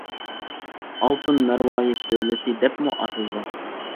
‹ ‹ئالتۇن، مەرۋايىت دۆلىتى› › دەپمۇ ئاتىلىدۇ.